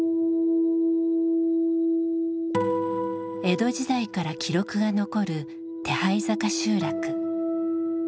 江戸時代から記録が残る手這坂集落。